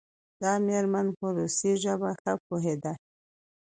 دا میرمن په روسي ژبه ښه پوهیده.